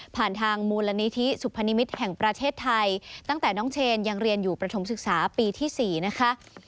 ทางมูลนิธิสุพนิมิตรแห่งประเทศไทยตั้งแต่น้องเชนยังเรียนอยู่ประถมศึกษาปีที่๔นะคะ